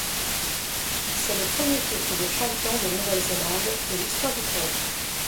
C'est le premier titre de champion de Nouvelle-Zélande de l'histoire du club.